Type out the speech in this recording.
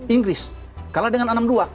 inggris kalah dengan enam dua